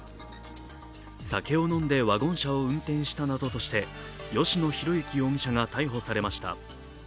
酒を飲んでワゴン車を運転したなどとして、吉野浩之容疑者が逮捕されました。